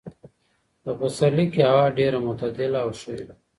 په پسرلي کې هوا ډېره معتدله او ښه وي.